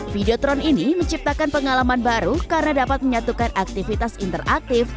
videotron ini menciptakan pengalaman baru karena dapat menyatukan aktivitas interaktif